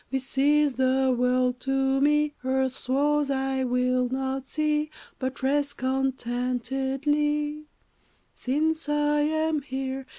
This is the world to me, Earth's woes I will not see But rest contentedly Since I am here.